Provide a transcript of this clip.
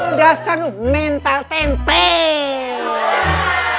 lu dasar lu mental tempel